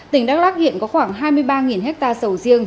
tỉnh đắk lắc hiện có khoảng hai mươi ba hectare sầu riêng